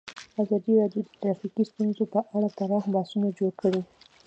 ازادي راډیو د ټرافیکي ستونزې په اړه پراخ بحثونه جوړ کړي.